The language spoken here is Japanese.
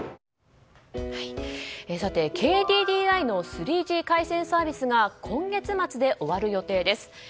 ＫＤＤＩの３Ｇ回線サービスが今月末で終わる予定です。